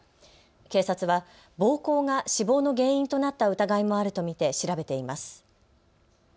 警察は暴行が死亡の原因となった疑いもあると見て調べています。